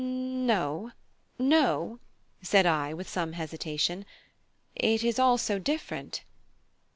"N o no," said I, with some hesitation. "It is all so different."